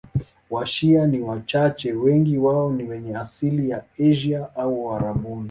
Washia ni wachache, wengi wao ni wenye asili ya Asia au Uarabuni.